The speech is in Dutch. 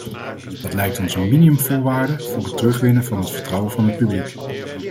Dat lijkt ons een minimumvoorwaarde voor het terugwinnen van het vertrouwen van het publiek.